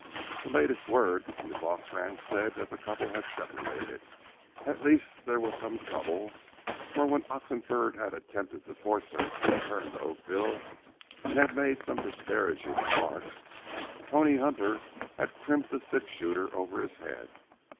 The latest word from the Vaux ranch said that the couple had separated; at least there was some trouble, for when Oxenford had attempted to force her to return to Oakville, and had made some disparaging remarks, Tony Hunter had crimped a six shooter over his head.